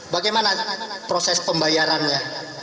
bagaimana proses pembayarannya